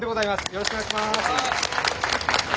よろしくお願いします。